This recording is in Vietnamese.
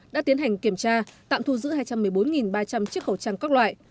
đã tiến hành kiểm tra tạm thu giữ hai trăm một mươi bốn ba trăm linh chiếc khẩu trang các loại